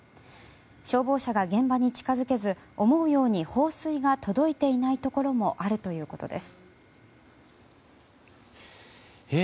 消防車が現場に近づけず思うように放水が届いていないところもあるということです。